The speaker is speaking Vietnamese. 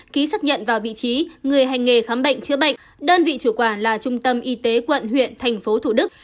ký xác nhận vào vị trí người hành nghề khám bệnh chữa bệnh đơn vị chủ quản là trung tâm y tế quận huyện thành phố thủ đức